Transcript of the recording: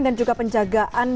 dan juga penjagaan